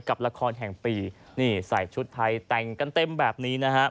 กับละครแห่งปี